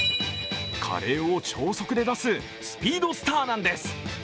カレーを超速で出すスピードスターなんです。